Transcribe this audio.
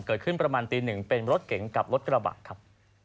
เกิดขึ้นประมาณตีหนึ่งเป็นรถเก๋งกับรถกระบะครับ